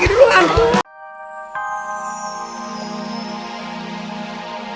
di sini aja